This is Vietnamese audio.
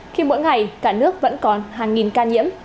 khi mỗi ngày cả nước vẫn còn hàng nghìn ca nhiễm